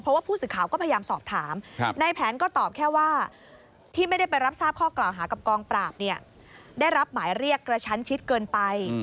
เพราะว่าผู้สื่อข่าวก็พยายามสอบถามในแผนก็ตอบแค่ว่าที่ไม่ได้ไปรับทราบข้อกล่าวหากับกองปราบเนี่ยได้รับหมายเรียกกระชั้นชิดเกินไป